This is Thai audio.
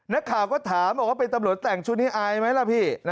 นักข่าวก็ถามบอกว่าเป็นตำรวจแต่งชุดนี้อายไหมล่ะพี่